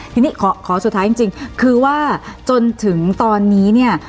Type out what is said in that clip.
ทีนี้ขอสุดท้ายจริงคือว่าจนถึงตอนนี้เนี่ย